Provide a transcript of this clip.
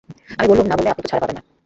আমি বললুম, না বললে আপনি তো ছাড়া পাবেন না।